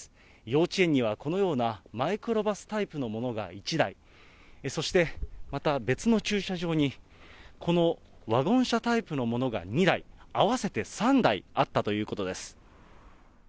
幼稚園にはこのようなマイクロバスタイプのものが１台、そしてまた別の駐車場に、このワゴン車タイプのものが２台、合わせて３台あったということです。